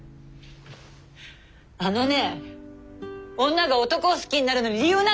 あのね女が男を好きになるのに理由なんかないの！